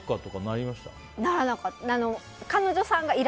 ならなかった。